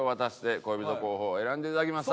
恋人候補を選んでいただきました。